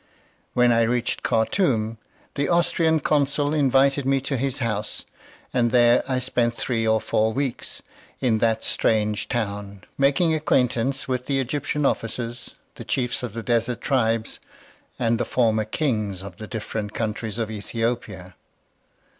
When I reached Khartoum, the Austrian consul invited me to his house; and there I spent three or four weeks, in that strange town, making acquaintance with the Egyptian officers, the chiefs of the desert tribes and the former kings of the different countries of Ethiopia.